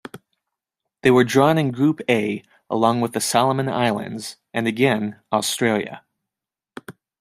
They were drawn in Group A along with the Solomon Islands, and again, Australia.